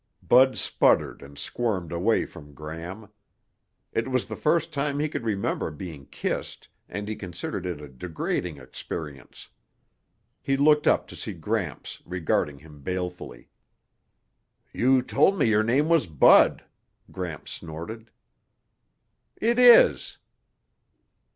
Bud sputtered and squirmed away from Gram. It was the first time he could remember being kissed and he considered it a degrading experience. He looked up to see Gramps regarding him balefully. "You told me your name was Bud," Gramps snorted. "It is!"